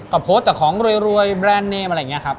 ก็โพสต์แต่ของรวยแบรนด์เนมอะไรอย่างนี้ครับ